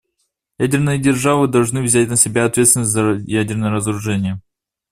Ядерные державы должны взять на себя ответственность за ядерное разоружение.